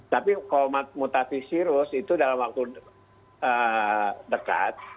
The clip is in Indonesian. tapi kalau mutasi virus itu dalam waktu dekat